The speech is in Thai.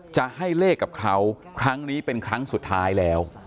จะให้เลขกับเขาครั้งนี้เป็นครั้งสุดท้ายแล้ว